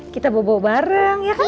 kita bobo bareng ya kan